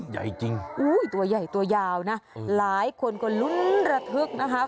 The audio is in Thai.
ไยจริงตัวใหญ่ตัวยาวนะหลายคนก็ลุ้นระทึกนะฮะ